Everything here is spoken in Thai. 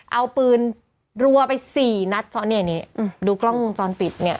เอาปืนรัวไป๔นัดเพราะนี่ดูกล้องจอนปิดเนี่ย